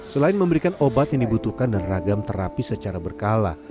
selain memberikan obat yang dibutuhkan dan ragam terapi secara berkala